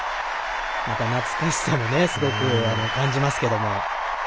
また懐かしさも感じますけど。